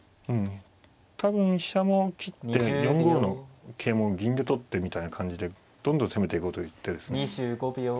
多分飛車も切って４五の桂も銀で取ってみたいな感じでどんどん攻めていこうという一手ですね。